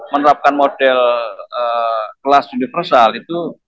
menerapkan model kelas universal itu